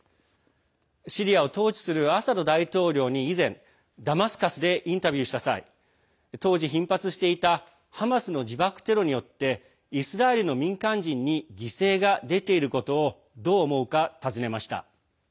シリアを統治するアサド大統領に以前、ダマスカスでインタビューした際当時、頻発していたハマスの自爆テロによってイスラエルの民間人に犠牲が出ていることをどう思うか尋ねました。